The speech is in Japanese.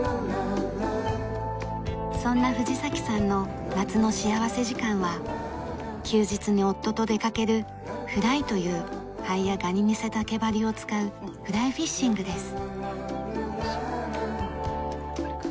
そんな藤崎さんの夏の幸福時間は休日に夫と出かけるフライというハエやガに似せた毛針を使うフライフィッシングです。